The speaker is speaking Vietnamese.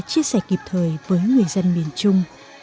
chia sẻ kịp thời với người dân miền trung